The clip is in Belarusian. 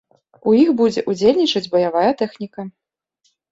У іх будзе ўдзельнічаць баявая тэхніка.